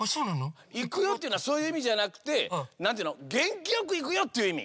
「いくよ」っていうのはそういういみじゃなくて「げんきよくいくよ」っていういみ！